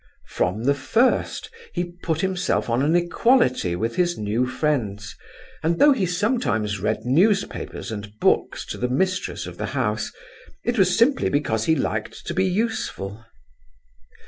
From the first he put himself on an equality with his new friends, and though he sometimes read newspapers and books to the mistress of the house, it was simply because he liked to be useful.